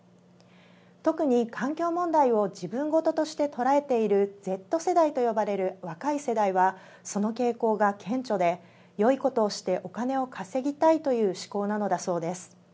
特に環境問題を自分ごととして捉えているＺ世代と呼ばれる若い世代はその傾向が顕著でよいことをしてお金を稼ぎたいという思考なのだそうです。